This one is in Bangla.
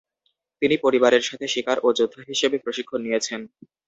তিনি পরিবারের সাথে শিকার ও যোদ্ধা হিসেবে প্রশিক্ষণ নিয়েছেন।